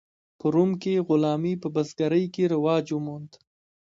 په روم کې غلامي په بزګرۍ کې رواج وموند.